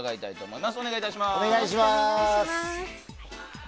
お願い致します。